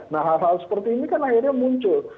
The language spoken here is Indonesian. nah hal hal seperti ini kan akhirnya muncul